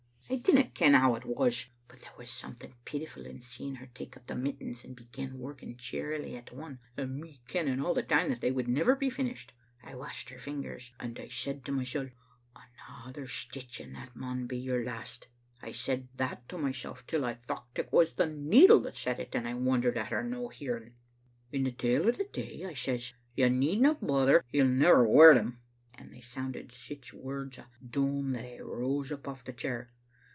I dinna ken how it was, but there was some thing pitiful in seeing her take up the mittens and be gin working cheerily at one, and me kenning all the time that they would never be finished. I watched her fingers, and I said to mysel', 'Another stitch, and that maun be your last. ' I said that to mysel' till I thocht it was the needle that said it, and I wondered at her no hearing. "In the tail o* the day I says, 'You needna bother; he'll never wear them,' and they sounded sic words o' doom that I rose up off the chair.